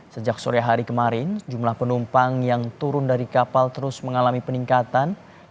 sejak sore hari kemarin jumlah penumpang yang turun dari kapal terus mengalami peningkatan